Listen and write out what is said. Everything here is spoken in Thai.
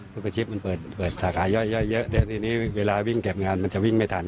คือประชิปมันเปิดสาขาย่อยเยอะแต่ทีนี้เวลาวิ่งเก็บงานมันจะวิ่งไม่ทัน